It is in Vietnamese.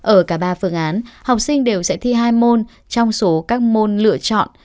ở cả ba phương án học sinh đều sẽ thi hai môn trong số các môn lựa chọn